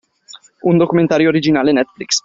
Un documentario originale netflix